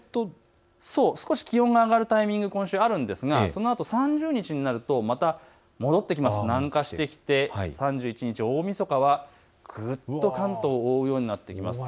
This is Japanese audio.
少し気温が上がるタイミングが今週、あるんですが３０日になるとまた、南下してきて３１日、大みそかはぐっと関東を覆うようになってきます。